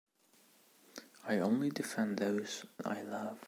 I only defend those I love.